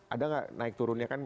ada nggak naik turunnya kan